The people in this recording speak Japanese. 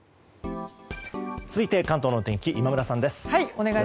続いて、関東のお天気今村さんです。